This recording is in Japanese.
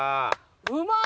うまい！